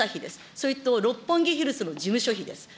それと六本木ヒルズの事務所費です。